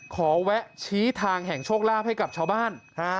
แวะชี้ทางแห่งโชคลาภให้กับชาวบ้าน